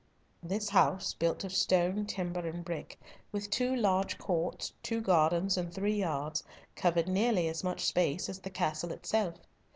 This house, built of stone, timber, and brick, with two large courts, two gardens, and three yards, covered nearly as much space as the castle itself.